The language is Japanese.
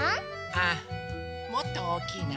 あっもっとおおきいな。